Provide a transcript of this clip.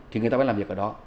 thì người ta mới làm việc ở đó